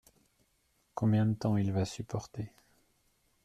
Combien de temps il va supporter ?